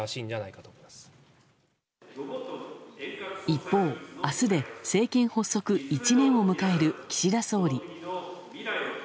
一方、明日で政権発足１年を迎える岸田総理。